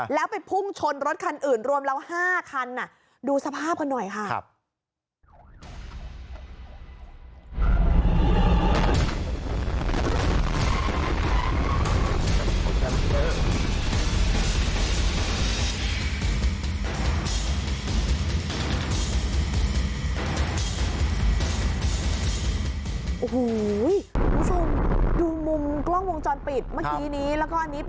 แล้วไปพุ่งชนรถคันอื่นรวมแล้ว๕คันดูสภาพกันหน่อยค่ะ